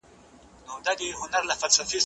زه بايد خواړه ورکړم!.